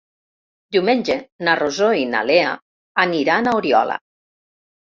Diumenge na Rosó i na Lea aniran a Oriola.